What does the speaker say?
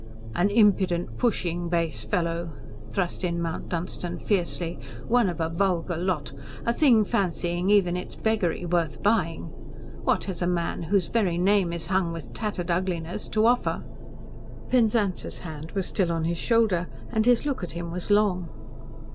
"An impudent, pushing, base fellow," thrust in Mount Dunstan fiercely. "One of a vulgar lot. A thing fancying even its beggary worth buying. What has a man whose very name is hung with tattered ugliness to offer?" Penzance's hand was still on his shoulder and his look at him was long.